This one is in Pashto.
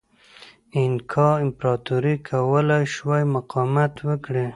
اینکا امپراتورۍ کولای شوای مقاومت وکړي.